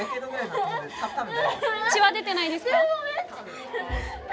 血は出てないですか？